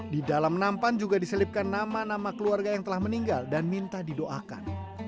di dalam nampan juga diselipkan nama nama keluarga yang telah meninggal dan minta didoakan